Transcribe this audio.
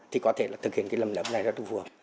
thì có thể thực hiện cái làm nấm này là phù hợp